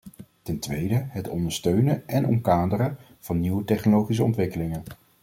Ten tweede, het ondersteunen en omkaderen van nieuwe technologische ontwikkelingen.